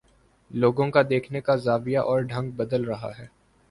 لوگوں کا دیکھنے کا زاویہ اور ڈھنگ بدل رہا ہے۔